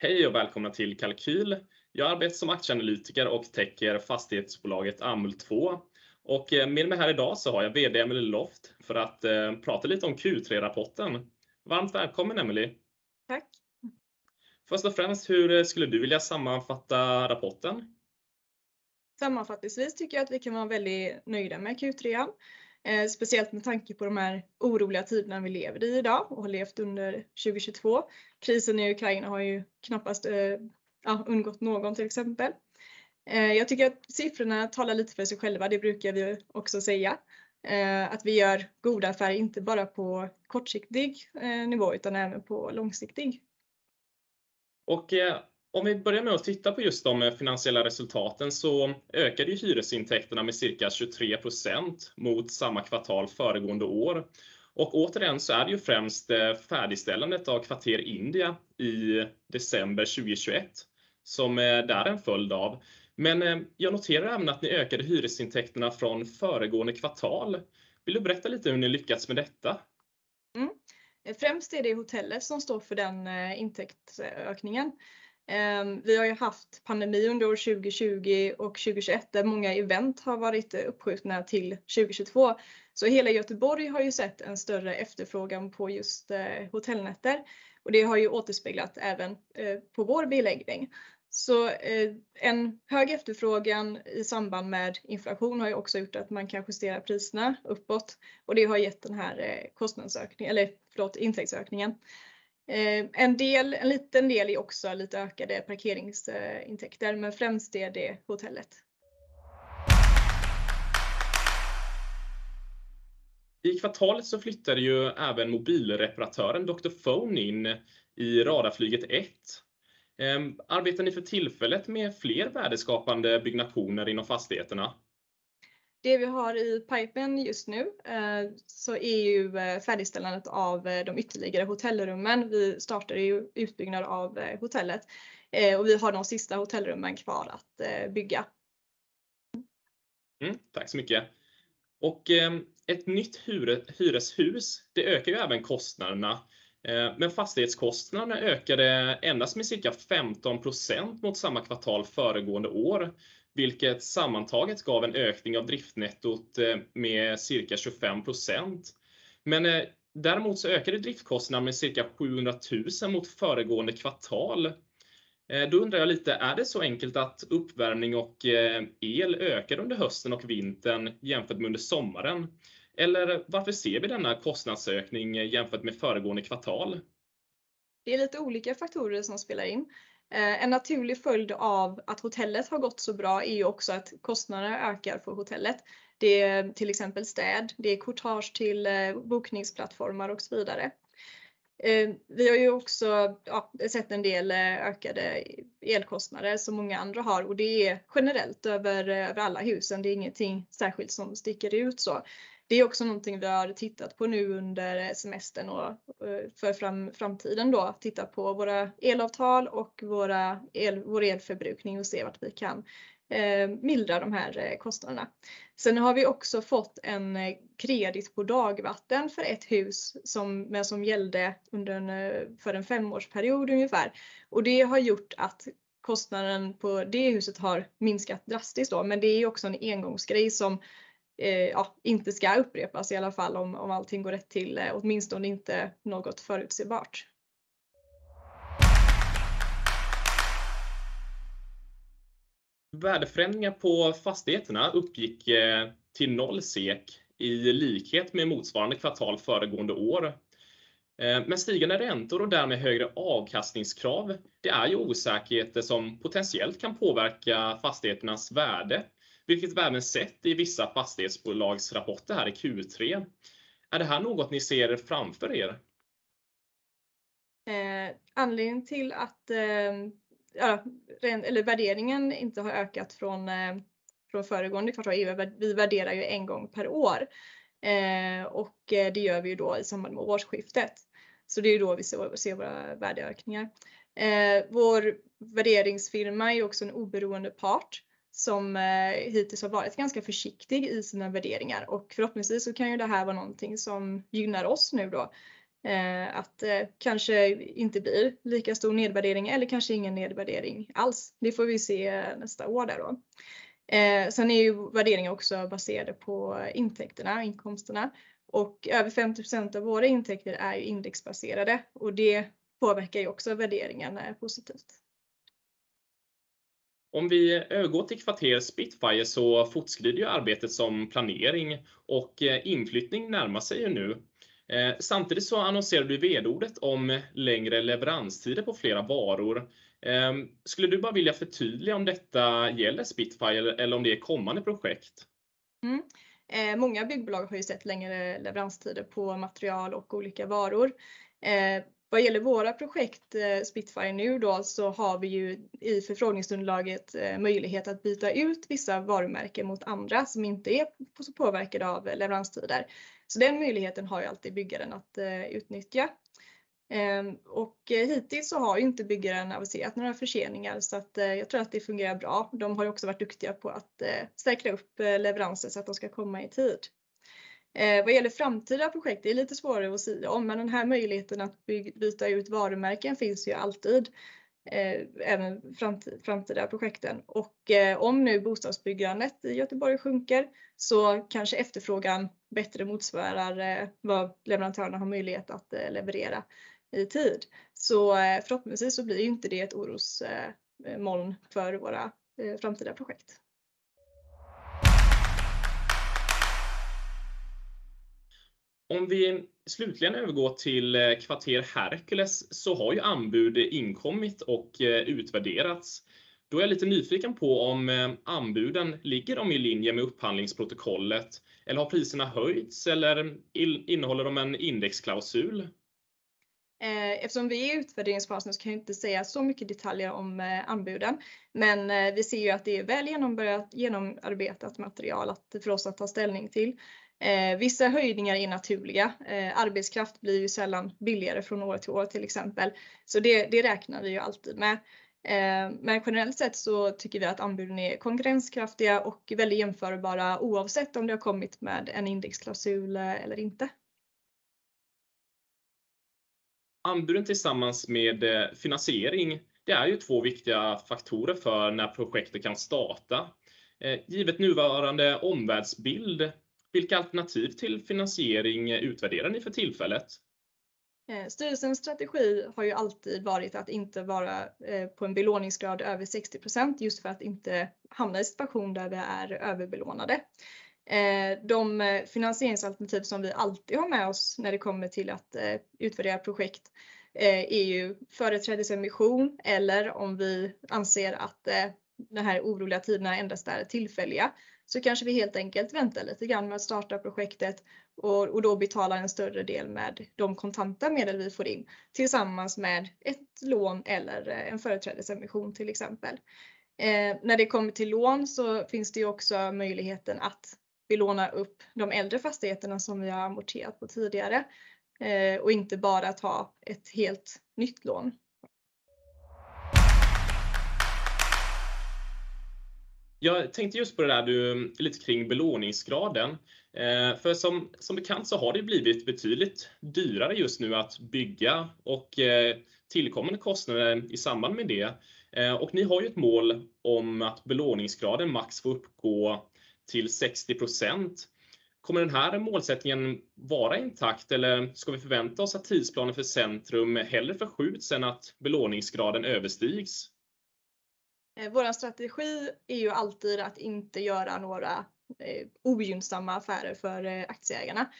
Hej och välkomna till Kalkyl. Jag arbetar som aktieanalytiker och täcker fastighetsbolaget Amhult 2. Med mig här i dag så har jag vd Emelie Loft för att prata lite om Q3-rapporten. Varmt välkommen Emelie. Tack. Först och främst, hur skulle du vilja sammanfatta rapporten? Sammanfattningsvis tycker jag att vi kan vara väldigt nöjda med Q3. Speciellt med tanke på de här oroliga tiderna vi lever i i dag och har levt under 2022. Krisen i Ukraina har ju knappast, ja undgått någon till exempel. Jag tycker att siffrorna talar lite för sig själva. Det brukar vi också säga. Att vi gör goda affärer, inte bara på kortsiktig nivå utan även på långsiktig. Om vi börjar med att titta på just de finansiella resultaten så ökade ju hyresintäkterna med cirka 23% mot samma kvartal föregående år. Återigen så är det ju främst färdigställandet av kvarter India i december 2021 som det är en följd av. Jag noterar även att ni ökade hyresintäkterna från föregående kvartal. Vill du berätta lite hur ni lyckats med detta? Främst är det hotellet som står för den intäktsökningen. Vi har ju haft pandemin under år 2020 och 2021 där många event har varit uppskjutna till 2022. Hela Göteborg har ju sett en större efterfrågan på just hotellnätter och det har ju återspeglat även på vår beläggning. En hög efterfrågan i samband med inflation har ju också gjort att man kan justera priserna uppåt och det har gett den här kostnadsökningen eller förlåt intäktsökningen. En del, en liten del är också lite ökade parkeringsintäkter, men främst är det hotellet. I kvartalet så flyttade ju även mobilreparatören Dr Phone in i Radarflyget 1. Arbetar ni för tillfället med fler värdeskapande byggnationer inom fastigheterna? Det vi har i pipen just nu, så är ju färdigställandet av de ytterligare hotellrummen. Vi startade ju utbyggnad av hotellet och vi har de sista hotellrummen kvar att bygga. Tack så mycket. Ett nytt hyreshus, det ökar ju även kostnaderna. Fastighetskostnaderna ökade endast med cirka 15% mot samma kvartal föregående år, vilket sammantaget gav en ökning av driftnettot med cirka 25%. Däremot så ökade driftkostnaden med cirka 700,000 mot föregående kvartal. Undrar jag lite, är det så enkelt att uppvärmning och el ökade under hösten och vintern jämfört med under sommaren? Eller varför ser vi denna kostnadsökning jämfört med föregående kvartal? Det är lite olika faktorer som spelar in. En naturlig följd av att hotellet har gått så bra är ju också att kostnader ökar för hotellet. Det är till exempel städ, det är courtage till bokningsplattformar och så vidare. Vi har ju också, ja, sett en del ökade elkostnader som många andra har och det är generellt över alla husen. Det är ingenting särskilt som sticker ut så. Det är också någonting vi har tittat på nu under semestern och för framtiden då titta på våra elavtal och vår elförbrukning och se vart vi kan mildra de här kostnaderna. Sen har vi också fått en kredit på dagvatten för ett hus som, men som gällde under en femårsperiod ungefär. Och det har gjort att kostnaden på det huset har minskat drastiskt då. Det är också en engångsgrej som inte ska upprepas i alla fall om allting går rätt till. Åtminstone inte något förutsebart. Värdeförändringar på fastigheterna uppgick till 0 SEK i likhet med motsvarande kvartal föregående år. Stigande räntor och därmed högre avkastningskrav, det är ju osäkerheter som potentiellt kan påverka fastigheternas värde, vilket vi även sett i vissa fastighetsbolagsrapporter här i Q3. Är det här något ni ser framför er? Anledningen till att värderingen inte har ökat från föregående kvartal är att vi värderar ju en gång per år. Det gör vi då i samband med årsskiftet. Det är då vi ser våra värdeökningar. Vår värderingsfirma är också en oberoende part som hittills har varit ganska försiktig i sina värderingar och förhoppningsvis så kan ju det här vara någonting som gynnar oss nu. Att kanske inte blir lika stor nedvärdering eller kanske ingen nedvärdering alls. Det får vi se nästa år där. Värderingen är ju också baserad på intäkterna, inkomsterna och över 50% av våra intäkter är ju indexbaserade och det påverkar ju också värderingarna positivt. Om vi övergår till kvarter Spitfire så fortskrider ju arbetet som planering och inflyttning närmar sig ju nu. Samtidigt så annonserade du i VD-ordet om längre leveranstider på flera varor. Skulle du bara vilja förtydliga om detta gäller Spitfire eller om det är kommande projekt? Många byggbolag har ju sett längre leveranstider på material och olika varor. Vad gäller våra projekt Spitfire nu då, så har vi ju i förfrågningsunderlaget möjlighet att byta ut vissa varumärken mot andra som inte är så påverkade av leveranstider. Den möjligheten har ju alltid byggaren att utnyttja. Hittills så har ju inte byggaren aviserat några förseningar så att jag tror att det fungerar bra. De har ju också varit duktiga på att säkra upp leveranser så att de ska komma i tid. Vad gäller framtida projekt är lite svårare att sia om, men den här möjligheten att byta ut varumärken finns ju alltid, även framtida projekten. Om nu bostadsbyggandet i Göteborg sjunker så kanske efterfrågan bättre motsvarar vad leverantörerna har möjlighet att leverera i tid. Förhoppningsvis så blir inte det ett orosmoln för våra framtida projekt. Om vi slutligen övergår till kvarter Herkules så har ju anbud inkommit och utvärderats. Då är jag lite nyfiken på om anbuden ligger i linje med upphandlingsprotokollet eller har priserna höjts? Eller innehåller de en indexklausul? Eftersom vi är i utvärderingsfasen ska jag inte säga så mycket detaljer om anbuden. Vi ser ju att det är väl genomarbetat material för oss att ta ställning till. Vissa höjningar är naturliga. Arbetskraft blir ju sällan billigare från år till år till exempel. Det räknar vi alltid med. Generellt sett så tycker vi att anbuden är konkurrenskraftiga och väldigt jämförbara, oavsett om det har kommit med en indexklausul eller inte. Anbuden tillsammans med finansiering, det är ju två viktiga faktorer för när projektet kan starta. Givet nuvarande omvärldsbild, vilka alternativ till finansiering utvärderar ni för tillfället? Styrelsens strategi har ju alltid varit att inte vara på en belåningsgrad över 60% just för att inte hamna i situation där vi är överbelånade. De finansieringsalternativ som vi alltid har med oss när det kommer till att utvärdera projekt är ju företrädesemission eller om vi anser att de här oroliga tiderna endast är tillfälliga. Kanske vi helt enkelt väntar lite grann med att starta projektet och då betalar en större del med de kontanta medel vi får in tillsammans med ett lån eller en företrädesemission till exempel. När det kommer till lån så finns det också möjligheten att belåna upp de äldre fastigheterna som vi har amorterat på tidigare och inte bara ta ett helt nytt lån. Jag tänkte just på det där du, lite kring belåningsgraden. För som bekant så har det blivit betydligt dyrare just nu att bygga och tillkommande kostnader i samband med det. Ni har ju ett mål om att belåningsgraden max får uppgå till 60%. Kommer den här målsättningen vara intakt? Eller ska vi förvänta oss att tidsplanen för centrum hellre förskjuts än att belåningsgraden överstigs? Vår strategi är ju alltid att inte göra några ogynnsamma affärer för aktieägarna.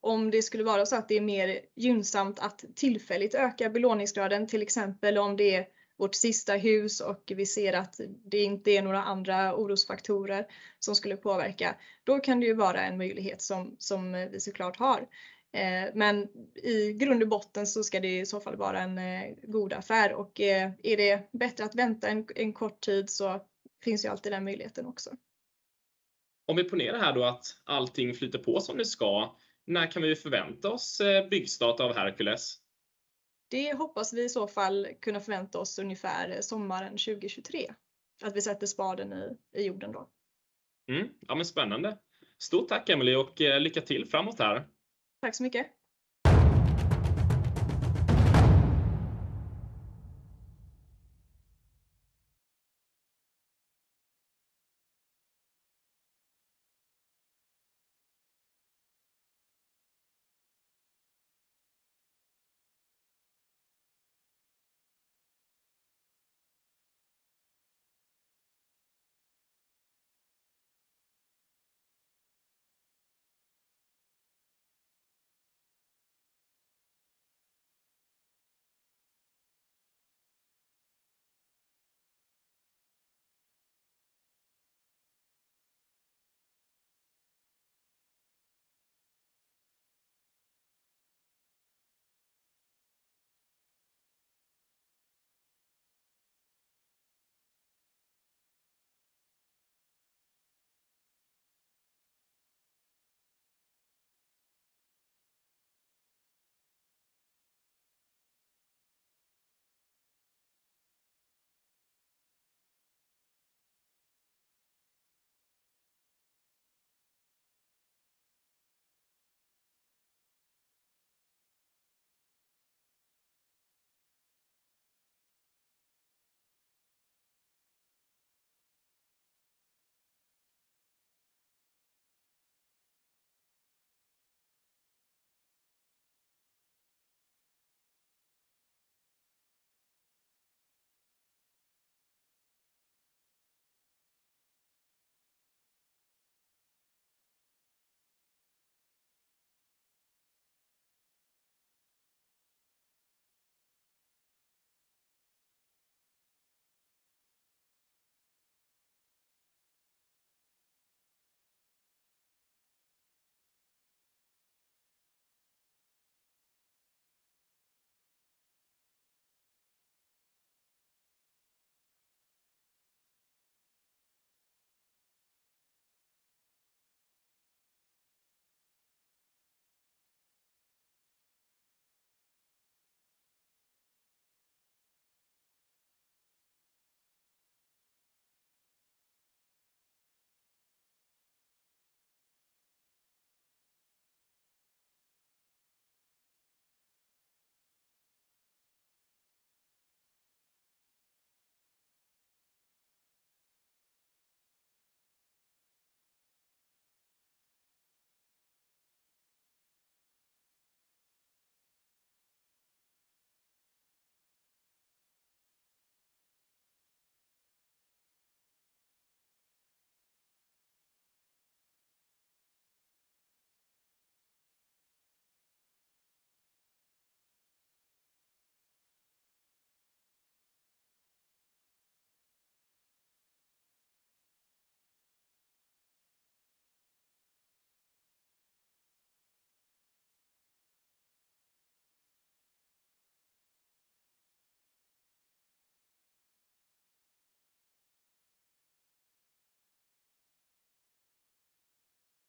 Om det skulle vara så att det är mer gynnsamt att tillfälligt öka belåningsgraden, till exempel om det är vårt sista hus och vi ser att det inte är några andra orosfaktorer som skulle påverka, då kan det ju vara en möjlighet som vi så klart har. I grund och botten så ska det i så fall vara en god affär och är det bättre att vänta en kort tid så finns ju alltid den möjligheten också. Om vi ponerar det här då att allting flyter på som det ska. När kan vi förvänta oss byggstart av Herkules? Det hoppas vi i så fall kunna förvänta oss ungefär sommaren 2023. Att vi sätter spaden i jorden då. Ja, men spännande. Stort tack Emelie och lycka till framåt här. Tack så mycket.